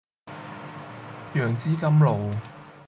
楊枝甘露